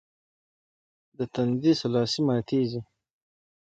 د تندي سلاسې ماتېږي.